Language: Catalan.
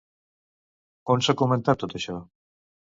On s'ha comentat tot això?